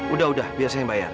udah udah biar saya yang bayar